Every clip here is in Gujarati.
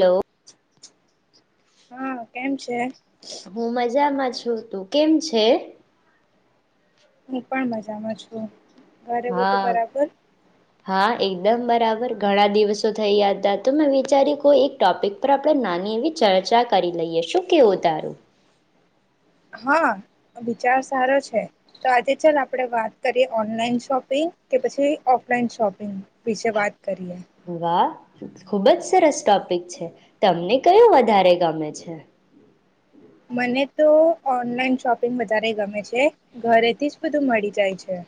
હા. હા કેમ છે. હું મજામાં છું તું કેમ છે. છે હું પણ મજામાં છું. ઘરે બધું હા બરાબર હા એકદમ બરાબર ઘણા દિવસો થયા હતા તો મેં વિચારી્યું કોઈ એક ટોપિક પર આપણે નાની એવી ચર્ચા કરી લઈએ શું કેવું તારું હા વિચાર સારો છે તો આજે ચાલ આપણેે વાત કરીએ ઓનલાઈન શોપિંગ કે પછી ઓફલાઈન શોપિંગ. વિશેે વાત કરીએ. વાહ ખુબ જ સરસ ટોપિક છે તમને કયું વધારે ગમે છે. મને તો ઓનલાઈન શોપિંગ વધારે ગમે છે ઘરેથી જ બધું મળી જાય છે.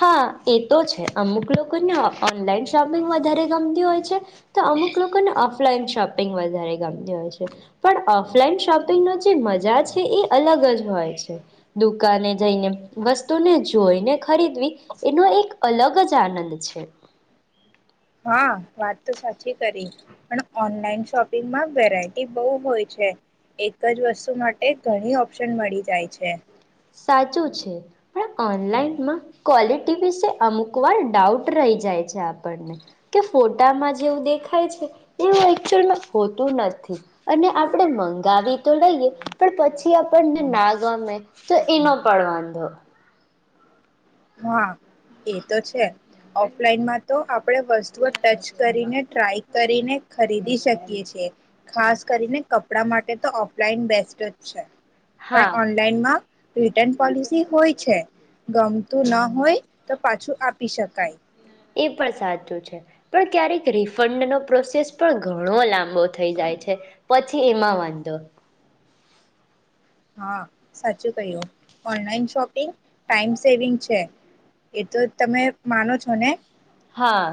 હા એ તો છે અમુક લોકોને ઓનલાઈન શોપિંગ વધારે ગમતી હોય છે. તો અમુક લોકોને ઓ ફલાઈન શોપિંગ વધારે ગમતી હોય છે પણ ઓફલાઈન શોપિંગનો જે મજા છે એ અલગ જ હોય છે દુકાને જઈને વસ્તુને જોઈને ખરીદવી એનો એક અલગ જ આનંદ છે. હા વાત તો સાચી કરી પણ ઓનલાઈન શોપિંગમાં વેરાયટી બહુ હોય છે એક જ વસ્તુ માટે ઘણી ઓપ્શન મળી જાય છે. સાચું છે પણ ઓનલાઈનમાં ક્વોલિટી વિશે અમુક વાર ડાઉટ રહી જાય છે આપણને કે ફોટામાં જેવું દેખાય છે એવું એકચઅલમાં હોતું નથી અને આપણે મંગાવી તો લઈએ પણ પછી આપણને ના ગમે. તો એનો પણ વાંધો. હા એ તો છે ઓફલાઈનમાં તો આપણે વસ્તુઓ ટચ કરીને ટ્રાય કરીને ખરીદી શકીએ છીએ ખાસ કરીને કપડા માટે તો ઓફલાઈન બેસ્ટ જ છે. પણ હા ઓનલાઈન માં રિટર્ન પોલિસી હોય છે ગ ત ના હોય તો પાછું આપી શકાય. એ પણ સાચું છે પણ ક્યારેક રિફંડનો પ્રોસેસ પણ ઘણો લાંબો થઈ જાય છે પછી એમાં વાંધો. હા સાચું કહ્યું ઓનલાઈન શોપિંગ ટાઈમ સેવિંગ છે એતો તમે માનો છો ને? હા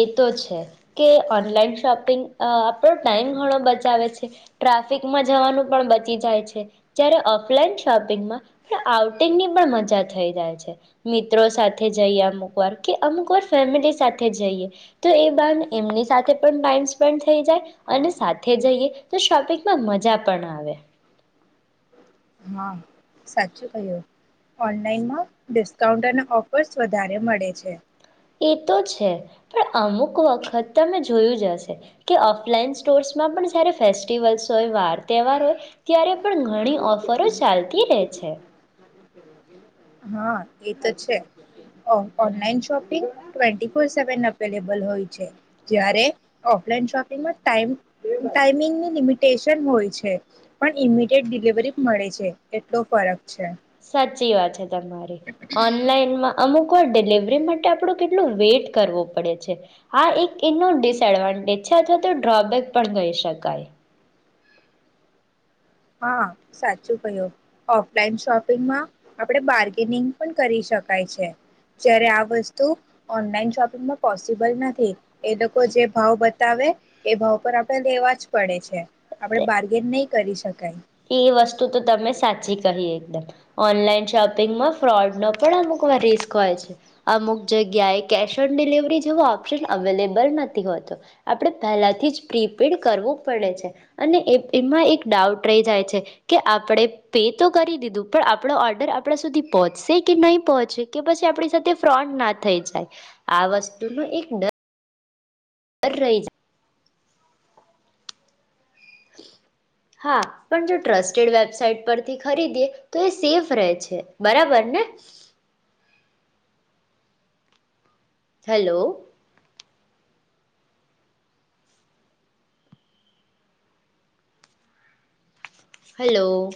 એ તો છે કે ઓનલાઈન શોપિંગ આપણો ટાઈમ ઘણો બચાવે છે ટ્રાફિકમાં જવાનું પણ બચી જાય છે જ્યારે ઓફલાઈન શોપિંગમાં આઉટિંગની પણ મજા થઈ જાય છે મિત્રો સાથે જઈએ અમુક વાર કે અમુકવાર ફેમિલી સાથે જઈએ તો એ બા એમની સાથે પણ ટાઈમ સ્પેન્ડ થઈ જાય અને સાથે જઈએ તો શોપિંગમાં મજા પણ આવે. હા સાચું કય્યું ઓનલાઈનમાં ડિસ્કાઉન્ટ અને ઓફર્સ વધારે મળે છે. એ તો છે પણ અમુક વખત તમે જોયું જ હશે કે ઓફલાઈન સ્ટોર્સમાં પણ જયારે ફેસ્ટિવલ્સ હોય વાર તહેવાર હોય ત્યારે પણ ઘણી ઓફરો ચાલતી રહે છે. હા એ તો છે online shopping twenty four seven available હોય છે જ્યારે ઓફલાઈન શોપિંગમાં ટમ ટાઈમિંગની લિમિટેશન હોય છે પણ ઈમિડિયટ ડિલવરી મળે છે એટલો ફરક છે. સાચી વાત છે. ઓનલાઈનમાં અમુક કો ડિલિવરી માટે આપણ કેટલું વેટ કરવો પડે છે. આ એક એનો ડિસએડવાન્ટેજ છે. અથવા તો ડ્રોબેક પણ કહી શકાય. હા સાચું કય્યું ઓફલાઈન શોપિંગમાં આપણે બાર્ગેનિંગ પણ કરી શકાય છે જ્યારે આ વસ્તુ ઓનલાઈન શોપિંગમાં પોસિબલ નથી એ લોકો જે ભાવ બતાવે એ ભાવ પર આપણે લેવા જ પડે છે. આપડે તે બાર્ગેન નઈ કરી શકે. એ વસ્તુ તો તમે સાચી કહી એકદમ ઓનલાઈન શોપિંગમાં ફ્રોડનો પણ અમુક વાર રિસ્ક હોય છે અમુક જગ્યાએ કેશ ઓન ડિલવરી જેવો ઓપ્શન અવેલેબલ નથી હોતો આપણે પહેલાથી જ પ્રીપેડ કરવું પડે છે અને એમાં એક ડાઉટ રાઈ જાય છે કે આપણે પે તો કરી દીધું પણ આપણો ઓર્ડર આપણા સુધી પહોંચશે કે નહીં પહોંચશે કે પછી આપણી સાથે ફ્રોડ ના થઈ જાય આ વસ્તુનો એક ડર ડર રહી જાય. હા પણ જો ટ્રસ્ટેડ વેબસાાઈટ પરથી ખરીદીએ તો એ સેફ રહે છે બરાબર ને. હેલો. હલો.